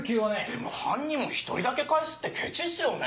でも犯人も１人だけ返すってケチっすよね。